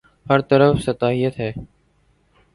ہر طرف سطحیت ہے۔